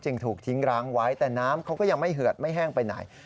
ถูกทิ้งร้างไว้แต่น้ำเขาก็ยังไม่เหือดไม่แห้งไปไหน